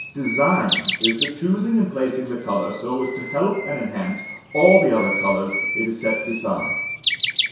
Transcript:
"Design" is the choosing and placing the colour so as to help and enhance all the other colours it is set beside.